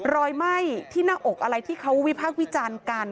ไหม้ที่หน้าอกอะไรที่เขาวิพากษ์วิจารณ์กัน